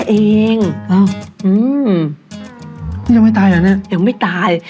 เองอ้าวอืมนี่ยังไม่ตายเหรอเนี่ยยังไม่ตาย